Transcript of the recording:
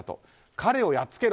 彼をやっつけろ！